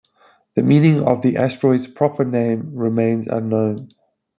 The meaning of the asteroid's proper name remains unknown.